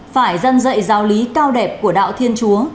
phải dân dậy giáo lý cao đẹp của đạo thiên chúa